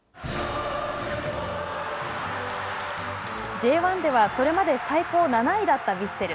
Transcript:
Ｊ１ではそれまで最高７位だったヴィッセル。